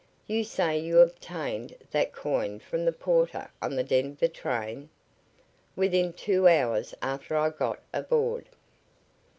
"You say you obtained that coin from the porter on the Denver train?" "Within two hours after I got aboard."